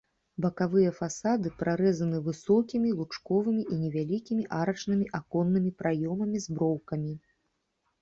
Бакавыя фасады прарэзаны высокімі лучковымі і невялікімі арачнымі аконнымі праёмамі з броўкамі.